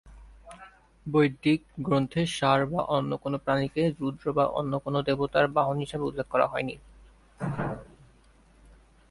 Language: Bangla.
বৈদিক গ্রন্থে ষাঁড় বা অন্য কোন প্রাণীকে রুদ্র বা অন্য কোন দেবতার বাহন হিসেবে উল্লেখ করা হয়নি।